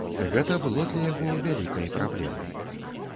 Гэта было для яго вялікай праблемай.